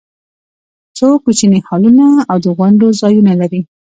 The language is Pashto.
څو کوچني هالونه او د غونډو ځایونه لري.